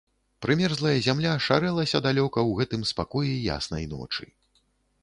Прымерзлая зямля шарэлася далёка ў гэтым спакоі яснай ночы.